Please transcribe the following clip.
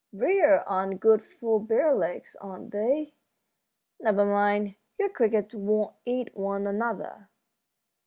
"Briers aren't good for bare legs, are they? Never mind, your crickets won't eat one another."